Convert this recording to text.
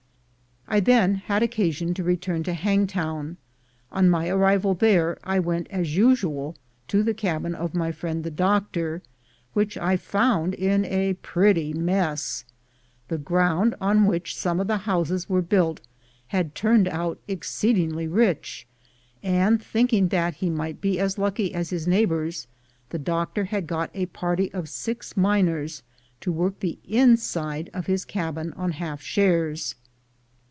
I then had occasion to return to Hangtown. On my arrival there, I went as usual to the cabin of my friend the doctor, which I found in a pretty mess. The ground on which some of the houses were built had turned out exceedingly rich ; and thinking that he might be as lucky as lu's neighbors, the doctor had got a party of six miners to work the inside of his cabin on half shares.